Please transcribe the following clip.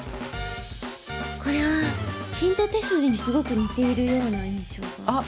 これはヒント手筋にすごく似ているような印象が。